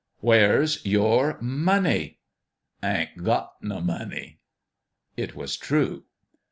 " Where's your money ?"" Ain't got no money." It was true.